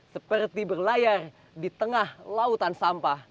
seperti berlayar di tengah lautan sampah